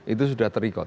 itu sudah terikut